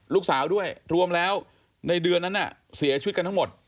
ลูกสาวด้วยรวมแล้วในเดือนนั้นเสียชีวิตกันทั้งหมด